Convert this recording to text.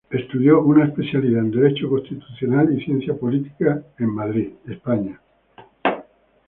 Estudió una especialidad en Derecho Constitucional y Ciencia Política en Madrid, España.